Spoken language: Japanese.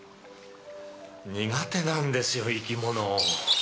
苦手なんですよ生き物。